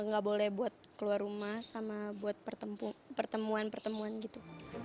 nggak boleh buat keluar rumah sama buat pertemuan pertemuan gitu